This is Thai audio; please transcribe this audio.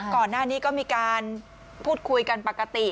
ก่อนหน้านี้ก็มีการพูดคุยกันปกติ